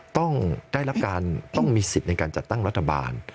ต้องได้รับการต้องมีสิทธิ์ในการจัดตั้งรัฐบาล